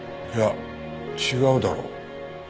いや違うだろ。